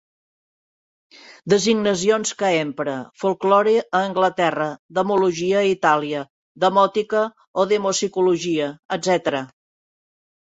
Designacions que empre: folklore a Anglaterra; demologia a Itàlia; demòtica o demopsicologia, etcètera.